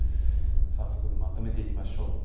そこでまとめていきましょう。